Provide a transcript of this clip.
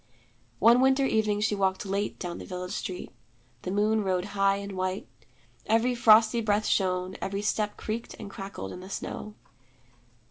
One winter evening she walked late down the village street. The moon rode high and white. Every frosty breath shone, every step creaked and crackled in the snow.